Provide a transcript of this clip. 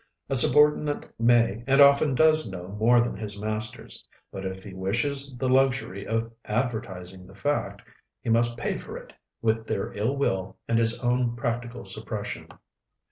A subordinate may and often does know more than his masters; but if he wishes the luxury of advertising the fact, he must pay for it with their ill will and his own practical suppression.